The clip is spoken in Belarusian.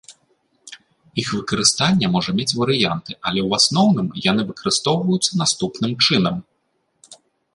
Іх выкарыстанне можа мець варыянты, але ў асноўным, яны выкарыстоўваюцца наступным чынам.